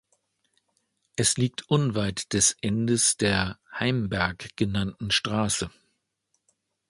Es liegt unweit des Endes der "Heimberg" genannten Straße.